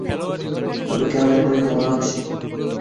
তবে কেন জানি পরিচিত মনে হচ্ছে।